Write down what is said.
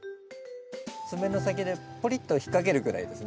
爪の先でポリッと引っ掛けるぐらいですね。